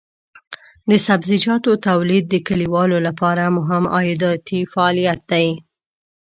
د سبزیجاتو تولید د کليوالو لپاره مهم عایداتي فعالیت دی.